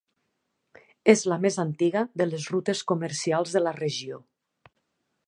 És la més antiga de les rutes comercials de la regió.